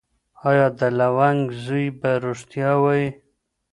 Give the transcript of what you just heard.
ایا د لونګ زوی به ریښتیا وایي؟